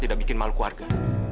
tidak bikin malu keluarga